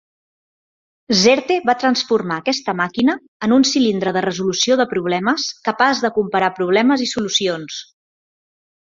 Zerte va transformar aquesta màquina en un cilindre de resolució de problemes capaç de comparar problemes i solucions.